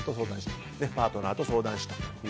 パートナーと相談してと。